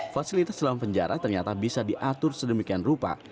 fasilitas dalam penjara ternyata bisa diatur sedemikian rupa